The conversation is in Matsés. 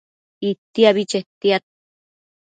Itiabi chetiad